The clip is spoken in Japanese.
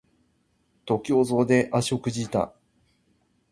徒競走で足をくじいた